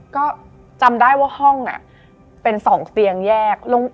ก็จำได้ว่าห้องเป็น๒เตียงแยก